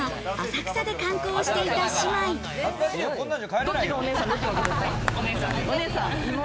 続いては、浅草で観光していた姉妹。